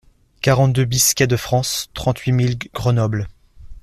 quarante-deux BIS quai de France, trente-huit mille Grenoble